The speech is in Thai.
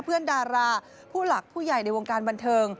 ดาราผู้หลักผู้ใหญ่ในวงการบันเทิง